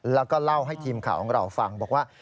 แล้วก็เล่าให้ทีมข่าวของเราฟังบอกว่า